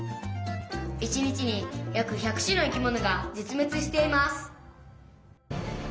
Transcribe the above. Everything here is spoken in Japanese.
「一日に約１００種の生き物が絶滅しています」。